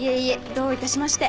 どういたしまして。